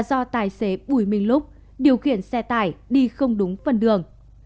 do tài xế bùi minh lúc điều khiển xe tải đi không đúng phần đường